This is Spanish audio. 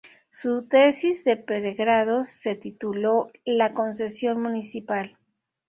Su tesis de pregrado se tituló "La Concesión municipal".